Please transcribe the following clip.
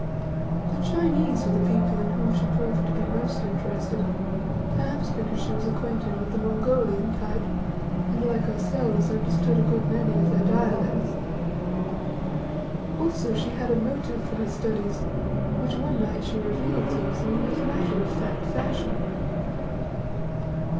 The Chinese were the people in whom she proved to be most interested, perhaps because she was acquainted with the Mongolian type, and like ourselves, understood a good many of their dialects. Also she had a motive for her studies, which one night she revealed to us in the most matter of fact fashion.